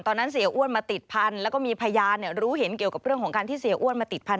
เสียอ้วนมาติดพันธุ์แล้วก็มีพยานรู้เห็นเกี่ยวกับเรื่องของการที่เสียอ้วนมาติดพันธ